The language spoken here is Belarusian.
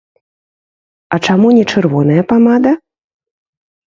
А чаму не чырвоная памада?